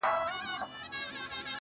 نوره به دي زه له ياده وباسم,